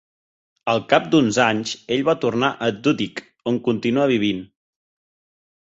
Al cap d'uns anys, ell va tornar a Dhudike, on continua vivint.